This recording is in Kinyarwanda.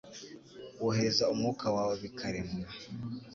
Wohereza umwuka wawe bikaremwa